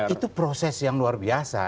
itu proses yang luar biasa